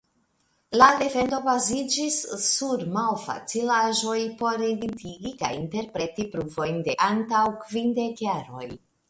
La defendo baziĝis sur malfacilaĵoj por identigi kaj interpreti pruvojn de antaŭ kvindek jaroj.